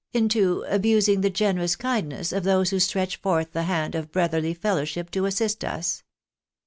— into abusing the generous kindness of those who stretch forth the hand of brotherly fellowship to assist us